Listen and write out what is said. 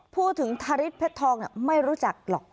พูดถึงทะริกเผ็ดทองนั้นไม่รู้จักหรอก